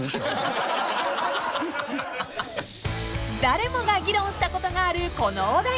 ［誰もが議論したことがあるこのお題］